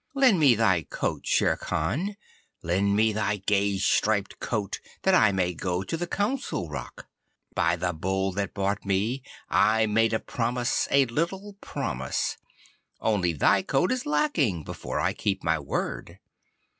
Lend me thy coat, Shere Khan. Lend me thy gay striped coat that I may go to the Council Rock. By the Bull that bought me I made a promise a little promise. Only thy coat is lacking before I keep my word.